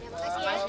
yaudah makasih ya